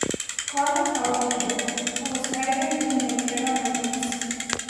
Colin Cowdrey joked "I was frightened that he might tread on my toes".